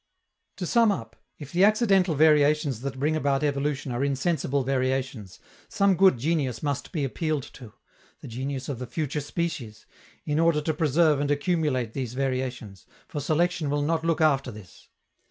To sum up, if the accidental variations that bring about evolution are insensible variations, some good genius must be appealed to the genius of the future species in order to preserve and accumulate these variations, for selection will not look after this.